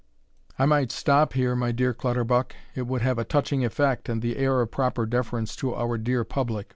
I might stop here, my dear Clutterbuck; it would have a touching effect, and the air of proper deference to our dear Public.